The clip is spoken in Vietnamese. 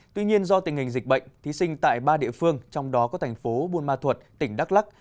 tuy nhiên do tình hình dịch bệnh thí sinh tại ba địa phương trong đó có thành phố buôn ma thuật tỉnh đắk lắc